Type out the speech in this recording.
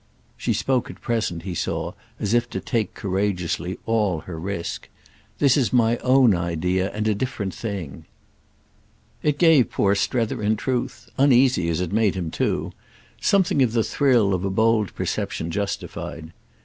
She spoke at present, he saw, as if to take courageously all her risk. "This is my own idea and a different thing." It gave poor Strether in truth—uneasy as it made him too—something of the thrill of a bold perception justified.